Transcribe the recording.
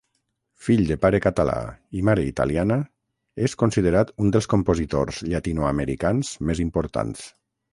Fill de pare català i mare italiana, és considerat un dels compositors llatinoamericans més importants.